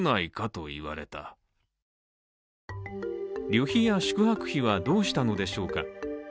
旅費や宿泊費はどうしたのでしょうか？